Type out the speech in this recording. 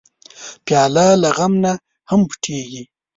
پیاله له غم نه هم پټېږي.